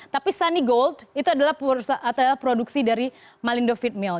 tapi sunny gold itu adalah produksi dari malindo feed mill